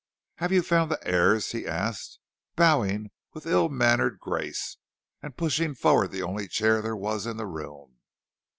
"Have you found the heirs?" he asked, bowing with ill mannered grace, and pushing forward the only chair there was in the room.